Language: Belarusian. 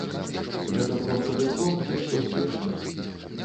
Гэта проста дыплом ці штосьці яшчэ?